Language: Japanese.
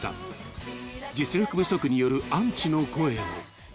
［実力不足によるアンチの声も］